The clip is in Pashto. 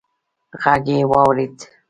غږ يې واورېد: